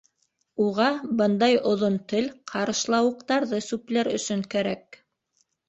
Уға бындай оҙон тел ҡарышлауыҡтарҙы сүпләр өсөн кәрәк.